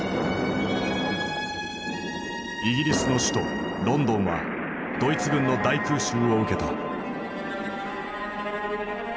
イギリスの首都ロンドンはドイツ軍の大空襲を受けた。